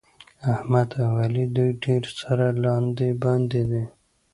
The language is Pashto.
احمد او علي دوی ډېر سره لاندې باندې دي.